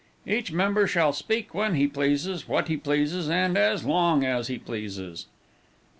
Each member shall speak when he pleases, what he pleases, and as long as he pleases.